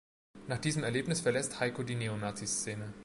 Nach diesem Erlebnis verlässt Heiko die Neonazi-Szene.